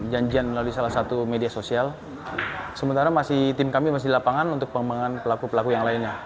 janjian melalui salah satu media sosial sementara masih tim kami masih di lapangan untuk pengembangan pelaku pelaku yang lainnya